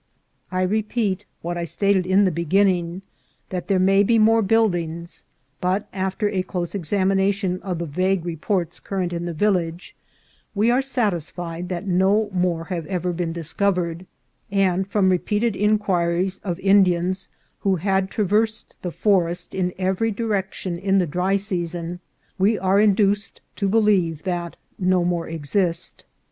I repeat what I stated in the beginning, there may be more buildings, but, after a close examination of the vague reports current in the village, we are satisfied that no more have ever been discovered ; and from repeated in quries of Indians who had traversed the forest in every direction in the dry season, we are induced to believe that no more exist.